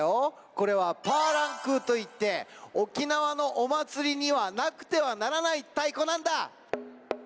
これはパーランクーといって沖縄のおまつりにはなくてはならないたいこなんだ。